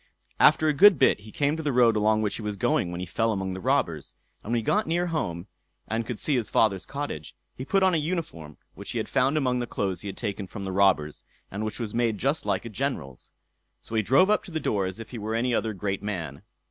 After a good bit he came to the road along which he was going when he fell among the robbers, and when he got near home, and could see his father's cottage, he put on a uniform which he had found among the clothes he had taken from the robbers, and which was made just like a general's. So he drove up to the door as if he were any other great man.